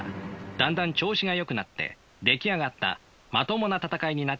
だんだん調子がよくなって出来上がったまともな戦いになってきていると。